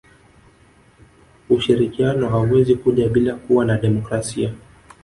ushirikiano hauwezi kuja bila kuwa na demokrasia